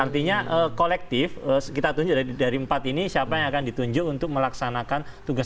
artinya kolektif kita tunjuk dari empat ini siapa yang akan ditunjuk untuk melaksanakan tugas